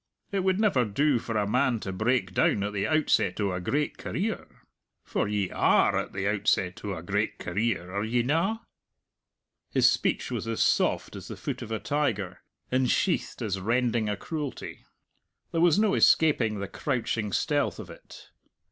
"It would never do for a man to break down at the outset o' a great career!... For ye are at the outset o' a great career; are ye na?" His speech was as soft as the foot of a tiger, and sheathed as rending a cruelty. There was no escaping the crouching stealth of it.